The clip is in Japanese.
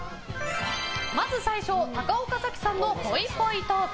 まず最初、高岡早紀さんのぽいぽいトーク。